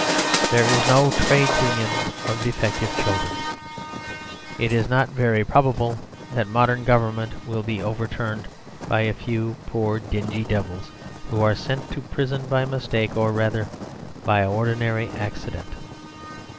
There is no trade union of defective children. It is not very probable that modern government will be overturned by a few poor dingy devils who are sent to prison by mistake, or rather by ordinary accident.